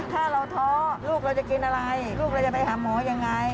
ถ้าเราท้อลูกเราจะกินอะไรลูกเราจะไปหาหมอยังไง